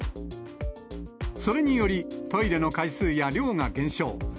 それにより、トイレの回数や量が減少。